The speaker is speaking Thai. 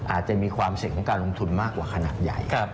อาจจะมีความเสี่ยงของการลงทุนมากกว่าขนาดใหญ่